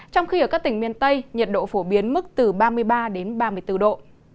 trong khi ở các tỉnh miền tây nhiệt độ phổ biến mức từ ba mươi ba đến ba mươi bốn độ